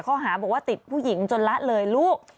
หาบอกว่าติดผู้หญิงจนละเลยลูก